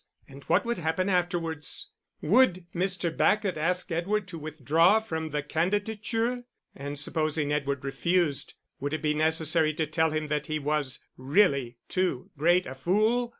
And what would happen afterwards? Would Mr. Bacot ask Edward to withdraw from the candidature? And supposing Edward refused, would it be necessary to tell him that he was really too great a fool?